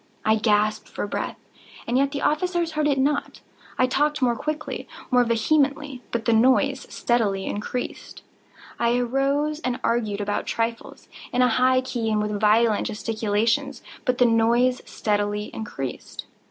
I gasped for breath—and yet the officers heard it not. I talked more quickly—more vehemently; but the noise steadily increased. I arose and argued about trifles, in a high key and with violent gesticulations; but the noise steadily increased.